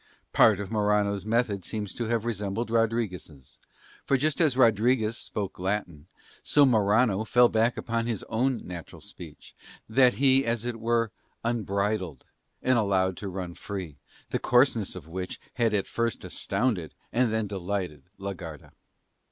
Part of Morano's method seems to have resembled Rodriguez', for just as Rodriguez spoke Latin, so Morano fell back upon his own natural speech, that he as it were unbridled and allowed to run free, the coarseness of which had at first astounded, and then delighted, la Garda.